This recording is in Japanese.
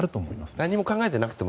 何も考えてなくても。